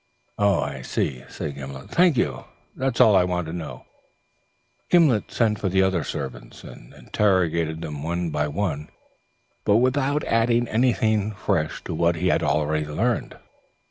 "I see," said Gimblet. "Thank you. That is all I wanted to know." He sent for the other servants and interrogated them one by one, but without adding anything fresh to what he had already learned.